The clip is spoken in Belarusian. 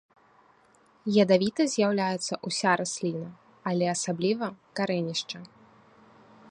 Ядавітай з'яўляецца ўся расліна, але асабліва карэнішча.